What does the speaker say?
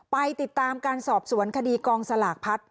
ไปติดตามการสอบสวนคดีกองสลากพัด